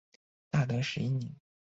大德十一年。